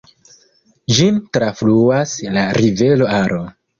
Ĝin trafluas la rivero Aro.